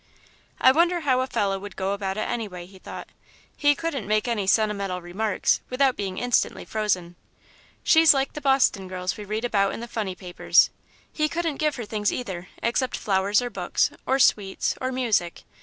"I wonder how a fellow would go about it anyway," he thought. "He couldn't make any sentimental remarks, without being instantly frozen. She's like the Boston girls we read about in the funny papers. He couldn't give her things, either, except flowers or books, or sweets, or music.